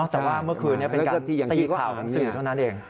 แต่ว่าเมื่อคืนนี้เป็นการตีข่าวของสื่อเท่านั้นเอง